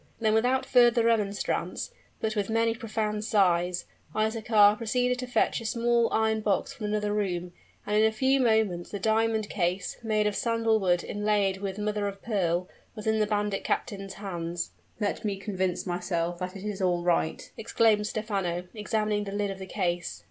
Then without further remonstrance, but with many profound sighs, Isaachar proceeded to fetch a small iron box from another room; and in a few moments the diamond case, made of sandal wood inlaid with mother of pearl, was in the bandit captain's hands. "Let me convince myself that it is all right!" exclaimed Stephano, examining the lid of the case.